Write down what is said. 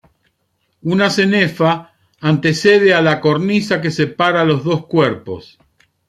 Una cenefa antecede a la cornisa que separa los dos cuerpos.